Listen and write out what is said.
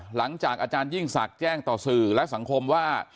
หลังจากอาจารยิ่งศักดิ์แจ้งต่อสื่อและสังคมว่า